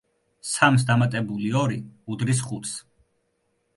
სამს დამატებული ორი უდრის ხუთს.